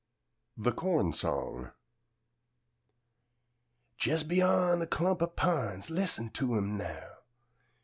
THE CORN SONG Jes' beyan a clump o' pines, Lis'n to 'im now!